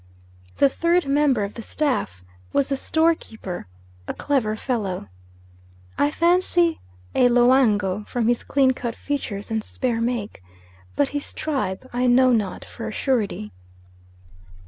The third member of the staff was the store keeper, a clever fellow: I fancy a Loango from his clean cut features and spare make, but his tribe I know not for a surety.